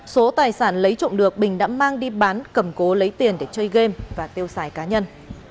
số tài sản lấy trộm được bình đã mang đi bán cầm cố lấy tiền để chơi game và tiêu xài cá nhân